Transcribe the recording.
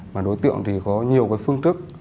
mà đối tượng thì có nhiều phương tức